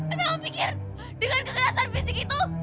emang om pikir dengan kekerasan fisik itu